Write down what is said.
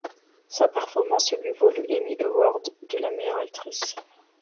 Sa performance lui vaut le Emmy Awards de la meilleure actrice.